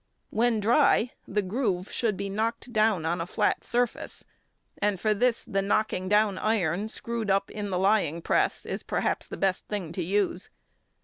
When dry the groove should be knocked down on a flat surface, and for this the knocking down iron screwed up in the lying press is perhaps the best thing to use.